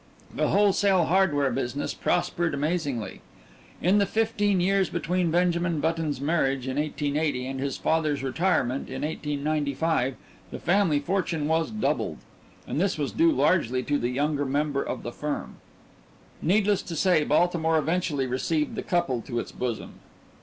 The wholesale hardware business prospered amazingly. In the fifteen years between Benjamin Button's marriage in 1880 and his father's retirement in 1895, the family fortune was doubled and this was due largely to the younger member of the firm. Needless to say, Baltimore eventually received the couple to its bosom.